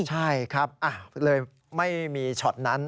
ใช่ครับเลยไม่มีช็อตนั้น